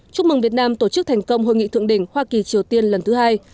chúc mừng việt nam tổ chức thành công hội nghị thượng đỉnh hoa kỳ triều tiên lần thứ hai